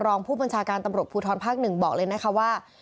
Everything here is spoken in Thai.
รองผู้บัญชาการตำรวจภูทรภาค๑บอกเลยนะคะว่า